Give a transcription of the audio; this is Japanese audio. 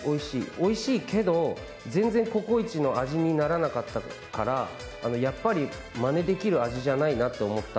おいしいけど全然ココイチの味にならなかったからやっぱりまねできる味じゃないなと思った。